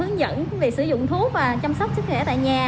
hướng dẫn việc sử dụng thuốc và chăm sóc sức khỏe tại nhà